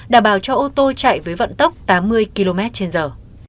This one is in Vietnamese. đảm bảo cho ô tô chạy với vận tốc tám mươi km trên giờ